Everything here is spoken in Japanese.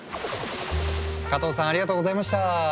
加藤さんありがとうございました。